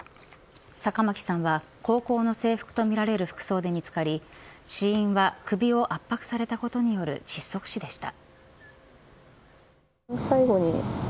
坂巻さんは高校の制服とみられる服装で見つかり死因は首を圧迫されたことによる窒息死でした。